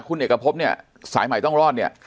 คุณเอกพบเนี่ยสายใหม่ต้องรอดเนี่ย